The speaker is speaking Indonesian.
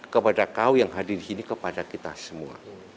kepada kau yang hadir di sini kepada kita semua